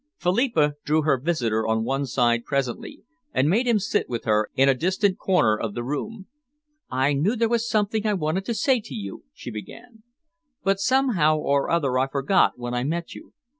Philippa drew her visitor on one side presently, and made him sit with her in a distant corner of the room. "I knew there was something I wanted to say to you," she began, "but somehow or other I forgot when I met you.